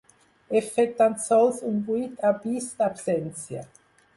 He fet tan sols un buit abís d'absència?